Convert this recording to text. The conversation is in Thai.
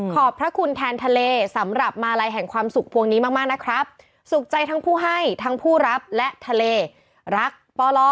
ขอบพระคุณแทนทะเลสำหรับมาลัยแห่งความสุขพวงนี้มากมากนะครับสุขใจทั้งผู้ให้ทั้งผู้รับและทะเลรักปล่อ